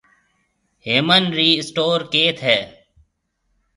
هيَمن رِي اسٽور ڪيٿ هيَ؟